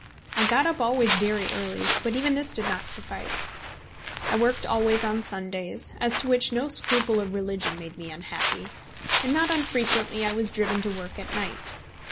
I got up always very early; but even this did not suffice. I worked always on Sundays, as to which no scruple of religion made me unhappy, and not unfrequently I was driven to work at night.